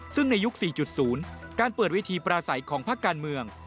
ซึ่งในยุค๔๐การเปิดเวทีปราศัยของภาคการเมือง